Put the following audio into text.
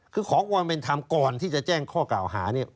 คือขอความเป็นธรรมก่อนที่จะแจ้งข้อกล่าวหาเนี่ย